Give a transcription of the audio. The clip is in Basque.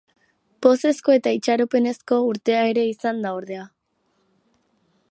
Pozezko eta itxaropenezko urtea ere izan da ordea.